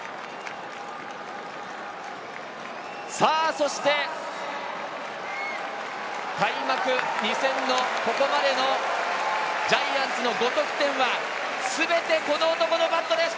そして開幕２戦のここまでのジャイアンツの５得点は全てこの男のバットです！